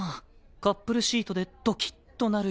カップルシートでドキッとなる予定が。